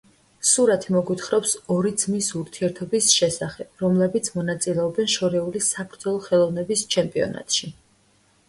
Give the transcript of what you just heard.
სურათი მოგვითხრობს ორი ძმის ურთიერთობის შესახებ, რომლებიც მონაწილეობენ შერეული საბრძოლო ხელოვნების ჩემპიონატში.